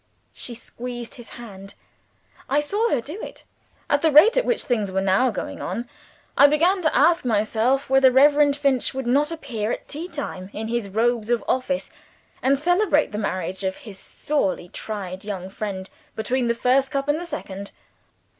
She squeezed his hand. I saw her do it. At the rate at which things were now going on, I began to ask myself whether Reverend Finch would not appear at tea time in his robes of office, and celebrate the marriage of his "sorely tried" young friend between the first cup and the second.